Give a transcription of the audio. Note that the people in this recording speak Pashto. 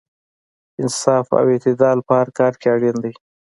انصاف او اعتدال په هر کار کې اړین دی.